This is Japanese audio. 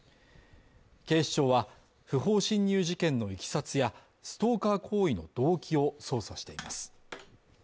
警視庁は、不法侵入事件の経緯やストーカー行為の動機を捜査しています。